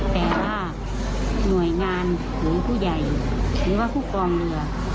แต่ว่าหน่วยงานหรือผู้ใหญ่หรือว่าผู้กองเรือ